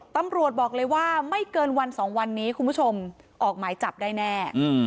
ตำรวจบอกเลยว่าไม่เกินวันสองวันนี้คุณผู้ชมออกหมายจับได้แน่